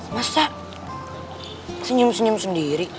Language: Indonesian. masa senyum senyum sendiri